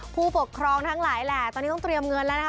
ผู้ปกครองทั้งหลายแหละตอนนี้ต้องเตรียมเงินแล้วนะคะ